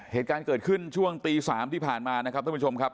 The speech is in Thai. เหตุการณ์เกิดขึ้นช่วงตี๓ที่ผ่านมานะครับท่านผู้ชมครับ